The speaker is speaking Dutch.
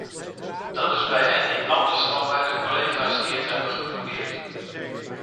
Dat is bij hen niet anders dan bij de collega's die het hebben geprobeerd.